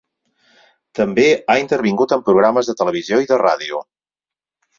També ha intervingut en programes de televisió i de ràdio.